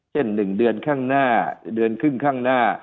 เช่น๑เดือนข้างหน้าเดือนครึ่งข้างหน้า